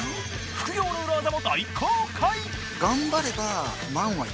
副業の裏技も大公開！